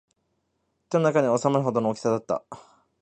手の中に収まるほどの大きさだった